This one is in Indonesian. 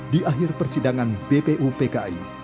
di akhir persidangan bpu pki